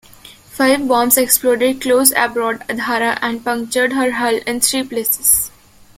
Five bombs exploded close aboard "Adhara" and punctured her hull in three places.